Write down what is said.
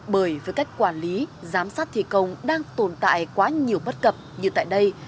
bởi với cách quản lý giám sát thi công đang tồn tại quá nhiều bất cập như tại đây